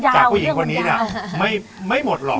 ผู้หญิงคนนี้ไม่หมดหรอก